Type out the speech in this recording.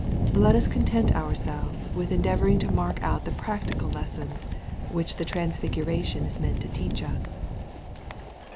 Let us content ourselves with endeavor ing to mark out the practical lessons which the trans figuration is meant to teach us.